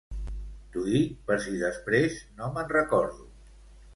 T'ho dic per si després no me'n recordo.